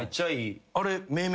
あれ。